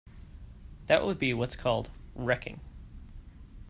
That would be what's called "wrecking".